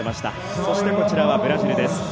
そして、こちらはブラジルです。